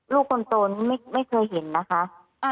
ลูกคนโตนี่ไม่เคยเห็นนะคะ